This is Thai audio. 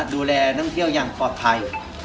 ดูแลที่เรายังปลอดภัย